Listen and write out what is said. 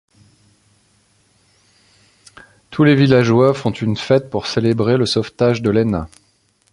Tous les villageois font une fête pour célébrer le sauvetage de Lena.